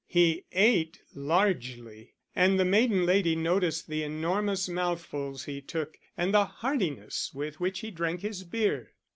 He ate largely, and the maiden lady noticed the enormous mouthfuls he took and the heartiness with which he drank his beer.